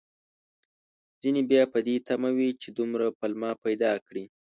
ځينې بيا په دې تمه وي، چې دومره پلمه پيدا کړي